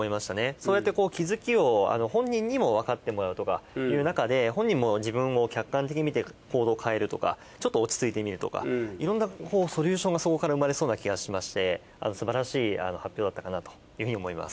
そうやって気付きを本人にも本人にもわかってもらうとかいうなかで本人も自分を客観的に見て行動を変えるとかちょっと落ち着いてみるとかいろんなソリューションがそこから生まれそうな気がしましてすばらしい発表だったかなというふうに思います。